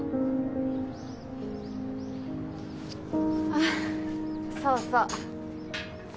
あっそうそう。